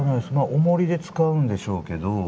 おもりで使うんでしょうけど。